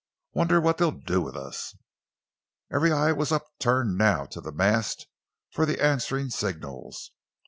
"Wonder what they'll do with us." Every eye was upturned now to the mast for the answering signals.